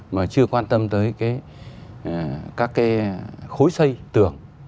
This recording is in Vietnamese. mà chưa quan tâm tới các cái khối xây tường